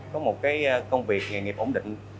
có một cái công việc nghề nghiệp ổn định